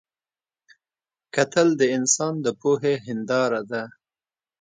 کتل د انسان د پوهې هنداره ده